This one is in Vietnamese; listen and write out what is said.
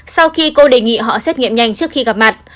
sau khi cô đề nghị họ xét nghiệm nhanh trước khi gặp mặt